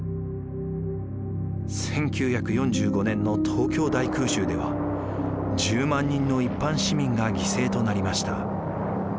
１９４５年の東京大空襲では１０万人の一般市民が犠牲となりました。